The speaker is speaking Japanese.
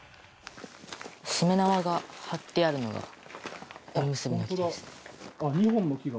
しめ縄が張ってあるのがえんむすびの木です。